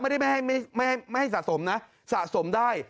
ไม่ได้ไม่ให้สะสมนะสะสมได้